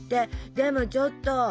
でもちょっと。